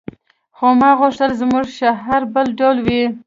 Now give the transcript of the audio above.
خو ما غوښتل زموږ شعار بل ډول وي